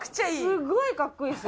すごいかっこいいですよ。